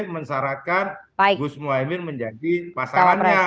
mensyaratkan gus muhaymin menjadi pasangannya